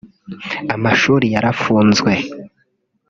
Amashuri yarafunzwe